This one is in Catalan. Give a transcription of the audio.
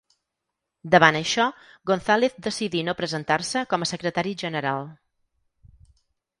Davant això, González decidí no presentar-se com a secretari general.